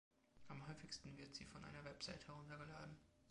Am häufigsten wird sie von einer Website heruntergeladen.